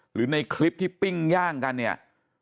หรือในคลิปที่ปิ้งย่างกันเนี่ย